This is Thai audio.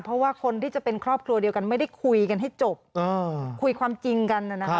เพราะว่าคนที่จะเป็นครอบครัวเดียวกันไม่ได้คุยกันให้จบคุยความจริงกัน